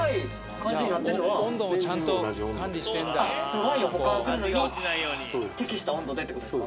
ちょっとあっワインを保管するのに適した温度でって事ですか。